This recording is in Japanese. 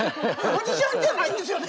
マジシャンではないんですよね？